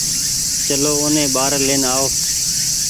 چلو اوني ٻآري لين آئو